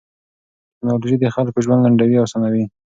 ټکنالوژي د خلکو ژوند لنډوي او اسانوي.